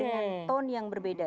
dengan tone yang berbeda